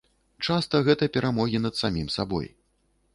Часта гэта перамогі над самім сабой.